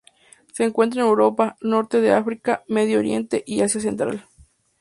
Se encuentran en Europa, Norte de África, Medio Oriente y Asia central.